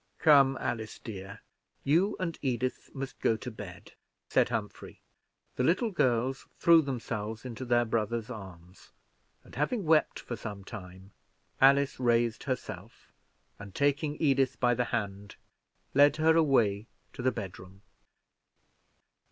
"Come, Alice, dear, you and Edith must go to bed," said Humphrey. The little girls threw themselves into their brothers' arms; and having wept for some time, Alice raised herself, and taking Edith by the hand, led her away to her bedroom.